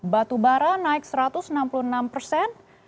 batu bara naik satu ratus enam puluh enam persen